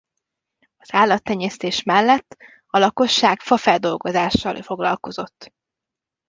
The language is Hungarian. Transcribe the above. Az állattenyésztés mellett a lakosság fafeldolgozással foglalkozott.